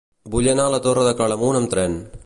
Vull anar a la Torre de Claramunt amb tren.